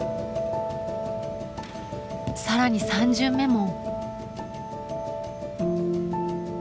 更に３巡目も。